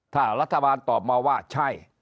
ถ้ารัฐบาลตอบมาว่าใช่